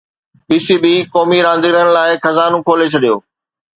P C B قومي رانديگرن لاءِ خزانو کولي ڇڏيو